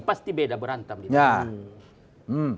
pasti beda berantem gitu